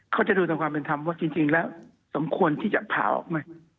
เขาจะดูทำความเป็นธรรมว่าจริงแล้วสมควรที่จะผ่าออกไหม